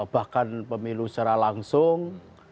bahkan pemilu secara langsung